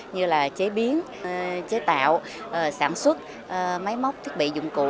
như là chế biến chế tạo sản xuất máy móc thiết bị dụng cụ